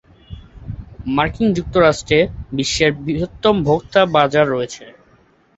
মার্কিন যুক্তরাষ্ট্রে বিশ্বের বৃহত্তম ভোক্তা বাজার রয়েছে।